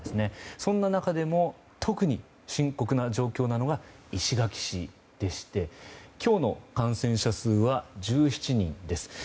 そんな中でも、特に深刻な状況なのが石垣市でして今日の感染者数は１７人です。